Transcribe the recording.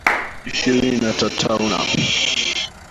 ishirini na tatau na